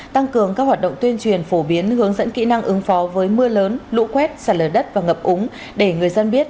tăng cường các hoạt động tuyên truyền phổ biến hướng dẫn kỹ năng ứng phó với mưa lớn lũ quét sạt lở đất và ngập úng để người dân biết